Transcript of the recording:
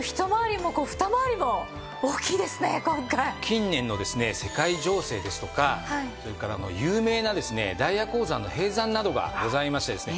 近年の世界情勢ですとかそれから有名なダイヤ鉱山の閉山などがございましてですね